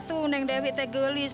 itu neng dewi itu gelis